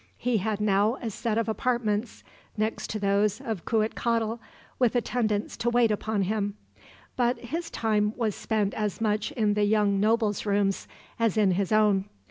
He had now a set of apartments next to those of Cuitcatl, with attendants to wait upon him; but his time was spent as much in the young noble's rooms as in his own.